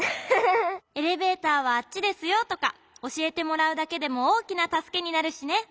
「エレベーターはあっちですよ」とかおしえてもらうだけでもおおきなたすけになるしね。